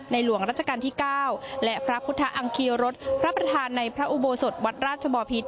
หลวงรัชกาลที่๙และพระพุทธอังคีรสพระประธานในพระอุโบสถวัดราชบอพิษ